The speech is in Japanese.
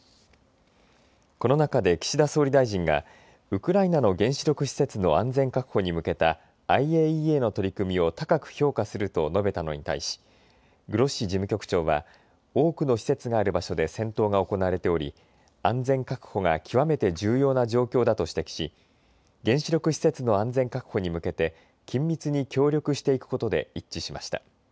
この中で岸田総理大臣がウクライナの原子力施設の安全確保に向けたＩＡＥＡの取り組みを高く評価すると述べたのに対しグロッシ事務局長は多くの施設がある場所で戦闘が行われており安全確保が極めて重要な状況だと指摘し原子力施設の安全確保に向けて緊密に協力していくことで一致しました。